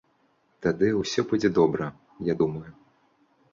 Тады ўсё будзе добра, я думаю.